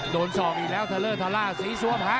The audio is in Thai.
โดนซองอีกแล้วทะเรอทะร้าสีซั้วพะ